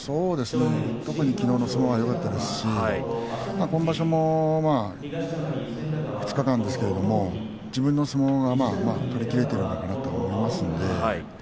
やはりきのうの相撲はよかったですし、今場所も２日間ですけれど自分の相撲がまあまあ取りきれているんじゃないかと思います。